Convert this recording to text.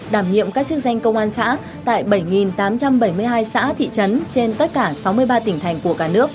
đảm nhiệm các chức danh công an xã tại bảy tám trăm bảy mươi hai xã thị trấn trên tất cả sáu mươi năm